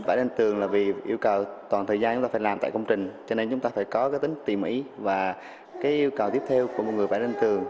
phải nên tường là vì yêu cầu toàn thời gian chúng ta phải làm tại công trình cho nên chúng ta phải có cái tính tỉ mỉ và cái yêu cầu tiếp theo của một người phải lên tường